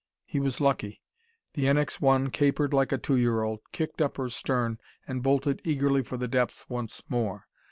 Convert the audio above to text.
He was lucky. The NX 1 capered like a two year old, kicked up her stern and bolted eagerly for the depths once more.